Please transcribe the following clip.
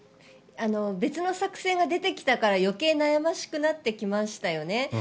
別の作戦が出てきたから余計悩ましくなってきましたよね